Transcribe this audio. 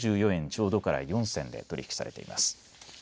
ちょうどから４銭で取り引きされています。